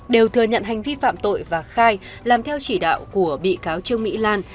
đều thừa nhận hành vi phạm tội và khai làm theo chỉ đạo của bị cáo trương mỹ lan